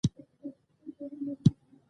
ما ورته وویل: د انګریزانو ملاقات ته تللی وم.